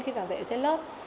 khi giảng dạy ở trên lớp